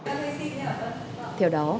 các đối tượng xin rắc lừa đả